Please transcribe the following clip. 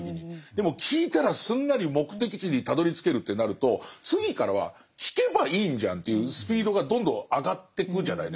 でも聞いたらすんなり目的地にたどりつけるってなると次からは聞けばいいんじゃんっていうスピードがどんどん上がってくじゃないですか。